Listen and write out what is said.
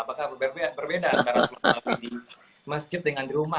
apakah berbeda antara seperti apa di masjid dengan di rumah